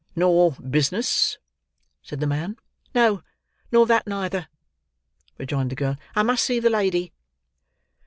"Nor business?" said the man. "No, nor that neither," rejoined the girl. "I must see the lady."